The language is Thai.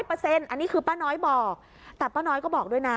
อันนี้คือป้าน้อยบอกแต่ป้าน้อยก็บอกด้วยนะ